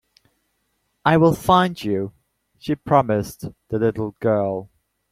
"I will find you.", she promised the little girl.